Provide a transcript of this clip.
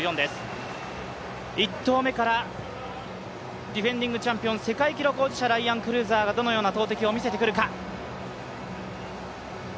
１投目からディフェンディングチャンピオン、世界記録保持者、ライアン・クルーザーがどのような投てきを見せてくるか。